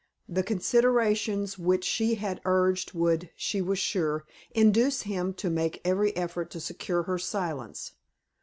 The considerations which she had urged would, she was sure, induce him to make every effort to secure her silence.